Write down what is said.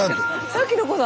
さっきの子だ！